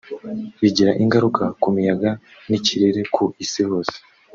bigira ingaruka ku miyaga n’ikirere ku Isi hose